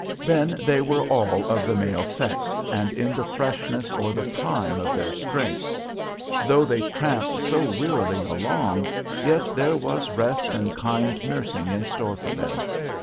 Then they were all of the male sex, and in the freshness or the prime of their strength. Though they tramped so wearily along, yet there was rest and kind nursing in store for them.